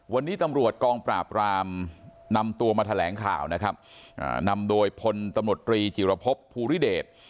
วันนี้ตำรวจกองปราบรามนำตัวมาแถลงข่าวนะครับนำโดยพลตำรวจตรีจิรพบภูริเดช